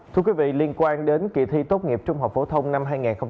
thưa quý vị liên quan đến kỳ thi tốt nghiệp trung học phổ thông năm hai nghìn hai mươi